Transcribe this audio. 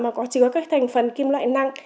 mà có chứa các thành phần kim loại nặng